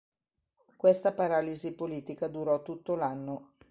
Questa paralisi politica durò tutto l'anno.